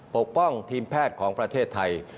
ปกป้องทีมแพทย์ของประเทศไทย